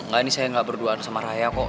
enggak ini saya gak berduaan sama raya kok